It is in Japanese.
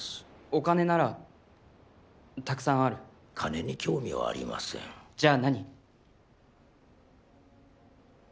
お金ならたくさんある金に興味はありませんじゃあ何？